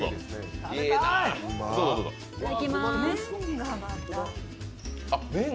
いただきます。